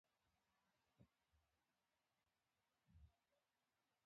د اضافي عرض اندازه د یو فورمول په مرسته پیدا کیږي